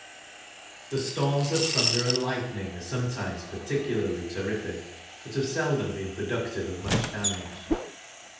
The storms of thunder and lightning are sometimes particularly terrific, but have seldom been productive of much damage.